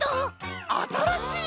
あたらしい